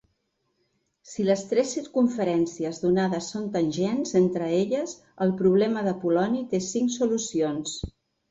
Si les tres circumferències donades són tangents entre elles, el problema d'Apol·loni té cinc solucions.